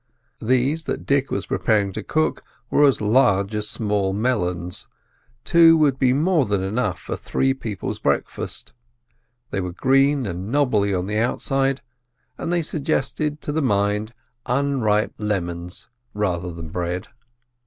These that Dick was preparing to cook were as large as small melons. Two would be more than enough for three people's breakfast. They were green and knobbly on the outside, and they suggested to the mind unripe lemons, rather than bread.